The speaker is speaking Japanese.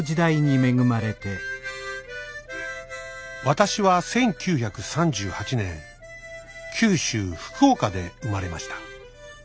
「私は１９３８年九州福岡で生まれました。